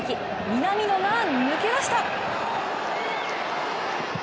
南野が抜け出した！